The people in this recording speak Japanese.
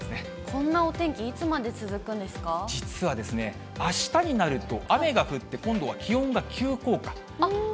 こんなお天気、いつまで続く実はですね、あしたになると雨が降って、今度は気温が急降下。